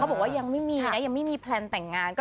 บอกว่ายังไม่มีนะยังไม่มีแพลนแต่งงาน